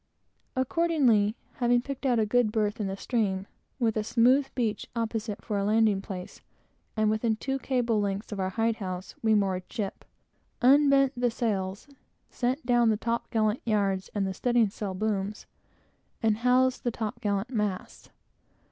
Accordingly, having picked out a good berth, in the stream, with a good smooth beach opposite, for a landing place and within two cables' length of our hide house, we moored ship, unbent all the sails, sent down the top gallant yards and all the studding sail booms, and housed the top gallant masts.